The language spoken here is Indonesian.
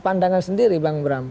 pandangan sendiri bang bram